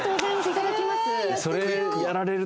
いただきます。